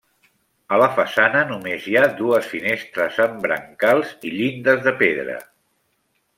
A la façana només hi ha dues finestres amb brancals i llindes de pedra.